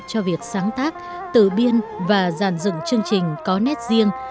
cho việc sáng tác tử biên và dàn dựng chương trình có nét riêng